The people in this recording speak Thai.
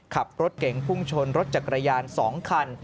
ขับรถเก่งพุ่งชนรถจักรยาน๒คัน